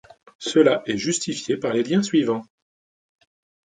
Cela est justifié par les liens suivants.